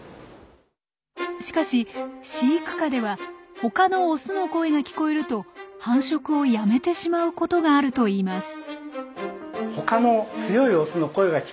しかし飼育下では他のオスの声が聞こえると繁殖をやめてしまうことがあるといいます。